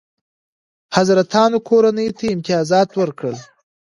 حضرتانو کورنۍ ته امتیازات ورکړل.